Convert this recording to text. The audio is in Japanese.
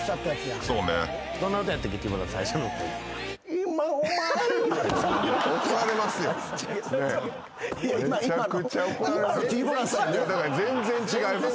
「今オマエ」だから全然違います